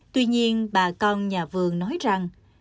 tuy nhiên bà con nhà vườn nói rằng